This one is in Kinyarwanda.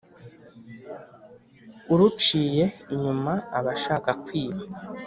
• uruciye inyuma aba ashaka kwiba